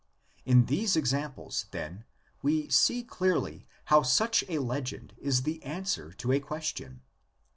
In these examples, then, we see clearly how such a legend is the answer to a question.